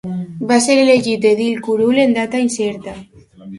Va ser elegit edil curul en data incerta.